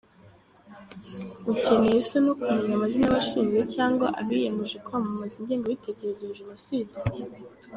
Ukeneye se no kumenya amazina y’abashinzwe cyangwa abiyemeje kwamamaza ingengabitekerezo ya jenoside ?